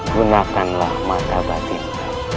gunakanlah mata batinmu